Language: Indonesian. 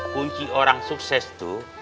kunci orang sukses tuh